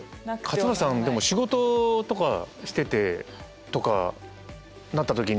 勝村さんでも仕事とかしててとかなった時には。